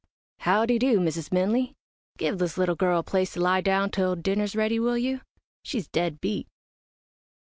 "How de do, Mrs. Minley. Give this little girl a place to lie down till dinner's ready, will you? She's dead beat."